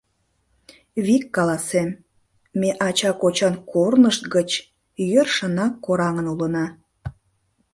Вик каласем: ме ача-кочан корнышт гыч йӧршынак кораҥын улына.